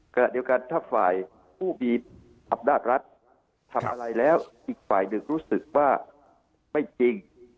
ขณะเดียวกันถ้าฝ่ายผู้มีอำนาจรัฐทำอะไรแล้วอีกฝ่ายหนึ่งรู้สึกว่าไม่จริง